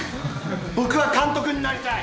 僕は監督になりたい！